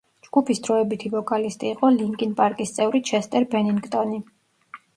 ჯგუფის დროებითი ვოკალისტი იყო ლინკინ პარკის წევრი ჩესტერ ბენინგტონი.